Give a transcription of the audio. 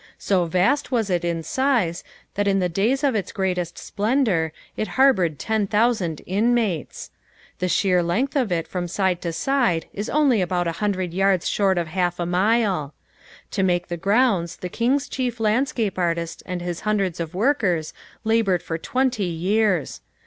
So vast is it in size that in the days of its greatest splendour it harboured ten thousand inmates. The sheer length of it from side to side is only about a hundred yards short of half a mile. To make the grounds the King's chief landscape artist and his hundreds of workers laboured for twenty years.